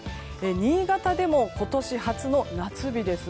新潟でも今年初の夏日です。